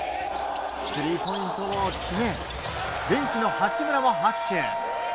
スリーポイントを決めベンチの八村も拍手！